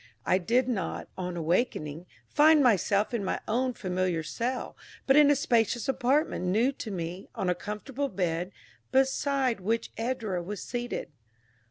I did not, on awakening, find myself in my own familiar cell, but in a spacious apartment new to me, on a comfortable bed, beside which Edra was seated.